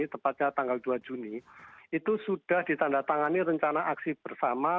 tepatnya tanggal dua juni itu sudah ditandatangani rencana aksi bersama